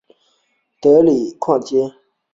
的里雅斯特街。